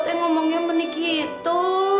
tengok ngomongnya menikih itu